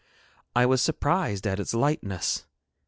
I was surprised at its lightness.